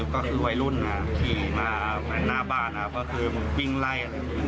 ก็คือวัยลุ่นขี่มานาบาทเพราะคือมีวิ่งไล่